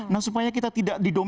nah supaya kita tidak didorong